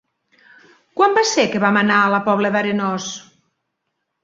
Quan va ser que vam anar a la Pobla d'Arenós?